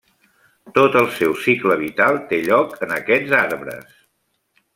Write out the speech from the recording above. Tot el seu cicle vital té lloc en aquests arbres.